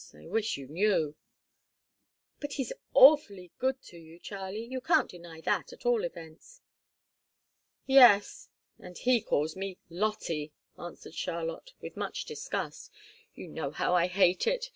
I wish you knew!" "But he's awfully good to you, Charlie. You can't deny that, at all events." "Yes and he calls me Lottie," answered Charlotte, with much disgust. "You know how I hate it.